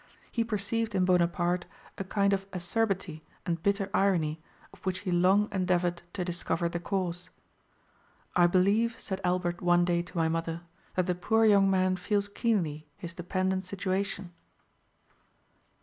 He perceived in Bonaparte a kind of acerbity and bitter irony, of which he long endeavoured to discover the cause. 'I believe,' said Albert one day to my mother, 'that the poor young man feels keenly his dependent situation.'"